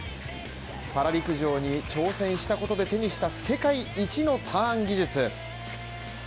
パラ陸上に挑戦したことで手にした世界一のターン技術。